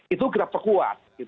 itu kita perkuat